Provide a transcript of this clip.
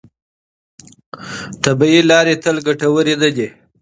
طبیعي لارې تل ګټورې نه دي.